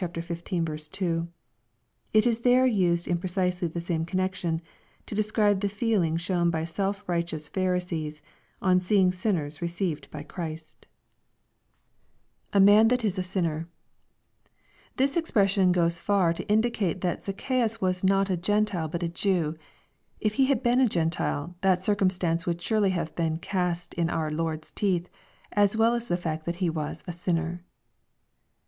2.) It is there used in precisely the same connection, to describe the feeling shown by seli righteoTis Phari oees, on seeing sinners received bv Christ 296 EXPOSITORY THOUGHTS. [A man that is a sinner.'] This expression goes far to indicate . that ZacchsQus was not a jSentile but a Jew. If he had been a / Gentile, that circumstance would surely have been cast in our Lord's teeth, as well as the fact that he was " a sinner."